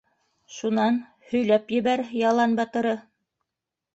Шунан, һөйләп ебәр, ялан батыры....